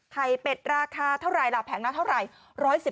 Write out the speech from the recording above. ไข่เป็ดราคาเท่าไรหลับแผงราคาเท่าไร